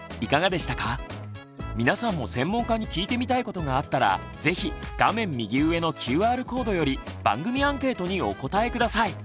皆さんも専門家に聞いてみたいことがあったらぜひ画面右上のＱＲコードより番組アンケートにお答え下さい。